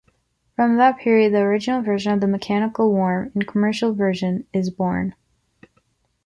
From that period, the original version of “Mechanical Worm” in commercial version is born.